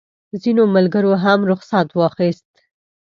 ځینو ملګرو هم رخصت واخیست.